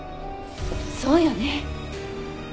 そうよね。